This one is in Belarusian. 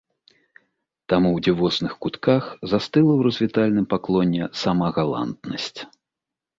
Там у дзівосных кутках застыла ў развітальным паклоне сама галантнасць.